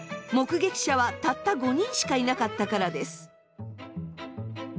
目撃者はたった５人しかいなかったからです。